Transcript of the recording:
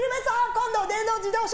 今度電動自動車。